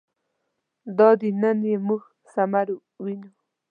دادی نن یې موږ ثمر وینو.